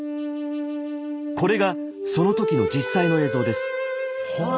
これがその時の実際の映像です。